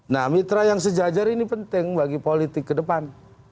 nah mitra yang sejajar ini penting bagi politik ke depan